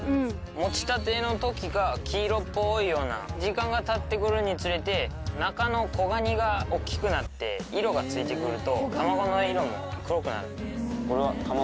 持ちたての時が黄色っぽいような時間がたって来るにつれて中の子ガニが大っきくなって色がついて来ると卵の色も黒くなる。